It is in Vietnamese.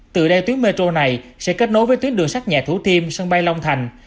từ đây tuyến metro này sẽ kết nối với tuyến đường sắt nhà thủ tiêm sân bay long thành